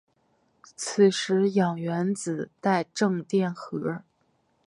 此时氧原子带正电荷。